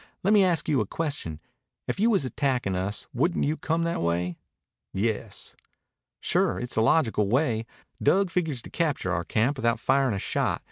Lemme ask you a question. If you was attacktin' us, wouldn't you come that way?" "Yes." "Sure. It's the logical way. Dug figures to capture our camp without firin' a shot.